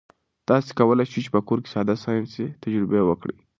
تاسي کولای شئ په کور کې ساده ساینسي تجربې وکړئ.